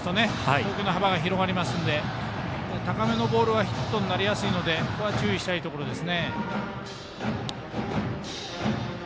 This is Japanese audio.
投球の幅が広がりますので高めのボールがヒットになりやすいので注意したいところです。